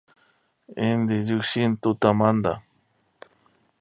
Inti llukshin tutamanta